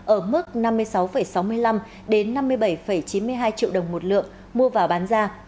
ở mức năm mươi sáu sáu mươi năm năm mươi bảy chín mươi hai triệu đồng một lượng mua vào bán ra